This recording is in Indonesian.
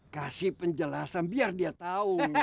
kasih penjelasan biar dia tahu